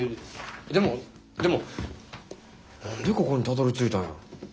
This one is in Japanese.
でもでも何でここにたどりついたんやろ？